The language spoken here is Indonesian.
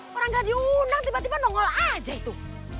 orang gak diundang tiba tiba nongol aja itu